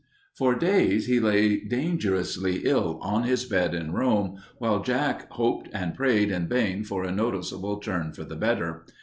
For days he lay dangerously ill on his bed in Rome, while Jack hoped and prayed in vain for a noticeable turn for the better.